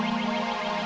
yang ada katanya mas